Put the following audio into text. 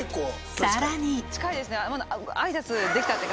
さらに。